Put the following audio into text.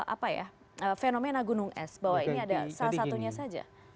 apa ya fenomena gunung es bahwa ini ada salah satunya saja